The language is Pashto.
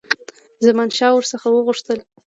زمانشاه ور څخه وغوښتل.